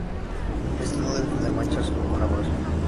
Esto no debe tener manchas o coloraciones.